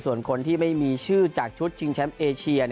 ส่วนคนที่ไม่มีชื่อจากชุดชิงแชมป์เอเชีย